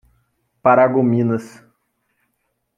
Paragominas